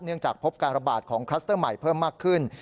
จากพบการระบาดของคลัสเตอร์ใหม่เพิ่มมากขึ้น